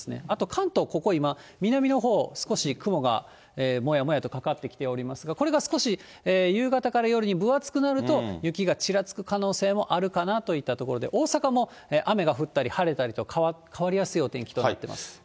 あと関東、ここ今、南のほう、少し雲がもやもやとかかってきておりますが、これが少し夕方から夜に分厚くなると、雪がちらつく可能性もあるかなといったところで、大阪も雨が降ったり、晴れたりと、変わりやすいお天気となっています。